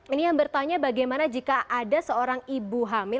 ini yang bertanya bagaimana jika ada seorang ibu hamil